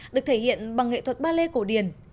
được thể hiện bằng nghệ thuật ba lê cổ điển